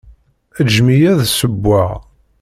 Ǧǧem-iyi ad d-ssewweɣ.